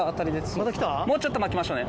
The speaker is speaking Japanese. もうちょっと待ちましょうね。